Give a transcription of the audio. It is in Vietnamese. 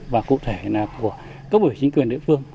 và cụ thể là của các bộ chính quyền địa phương